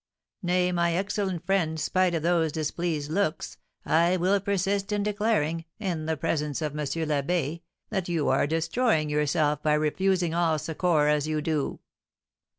Nay, my excellent friend, spite of those displeased looks, I will persist in declaring, in the presence of M. l'Abbé, that you are destroying yourself by refusing all succour as you do."